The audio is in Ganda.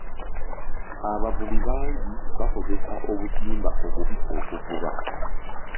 Abavubi bangi bakozesa obutimba obubi okuvuba.